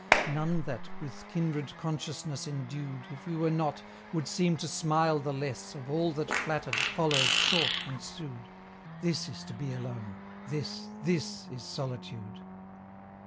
None that, with kindred consciousness endued, If we were not, would seem to smile the less Of all that flattered, followed, sought, and sued: This is to be alone; this, this is solitude!